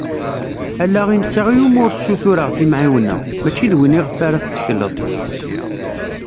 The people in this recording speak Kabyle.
Ala i netta iwumi ur ssutureɣ timεiwna, mačči d win iɣef ara tettekleḍ.